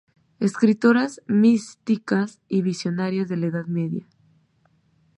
Escritoras místicas y visionarias de la Edad Media".